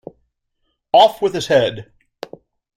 Off with his head!